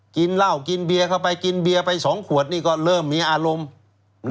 กินเหล้ากินเบียร์เข้าไปกินเบียร์ไป๒ขวดนี่ก็เริ่มมีอารมณ์